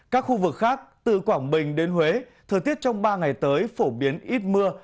các khu vực khác từ quảng bình đến huế thời tiết trong ba ngày tới phổ biến ít mưa